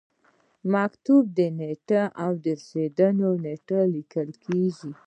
د مکتوب نیټه او رسیدو نیټه لیکل کیږي.